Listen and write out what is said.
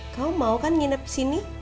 kamu mau kan nginep di sini